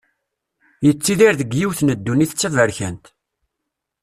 Yettidir deg yiwet n ddunit d taberkant.